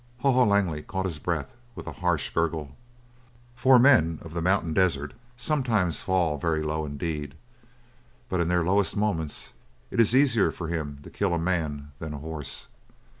Haw Haw Langley caught his breath with a harsh gurgle. For men of the mountain desert sometimes fall very low indeed, but in their lowest moments it is easier for him to kill a man than a horse.